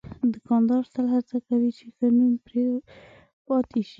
دوکاندار تل هڅه کوي چې ښه نوم پرې پاتې شي.